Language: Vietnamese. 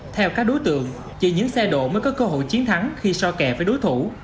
theo các đối tượng chỉ những xe độ mới có cơ hội chiến thắng khi so kẹ với đối thủ